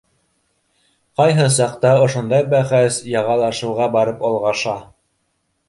Ҡайһы саҡта ошондай бәхәс яғалашыуға барып олғаша.